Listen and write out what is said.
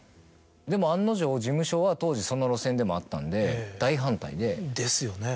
でも案の定事務所は当時その路線でもあったんで大反対で。ですよね。